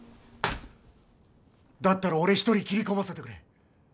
だったら俺一人斬り込ませてくれ。